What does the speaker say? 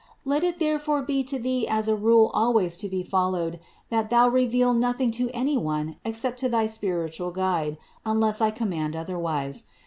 396. Let it therefore be to thee as a rule always to be followed that thou reveal nothing to any one except to thy spiritual guide, unless I command otherwise.